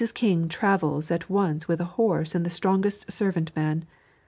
King travels at once with a horse and the strongest servant man.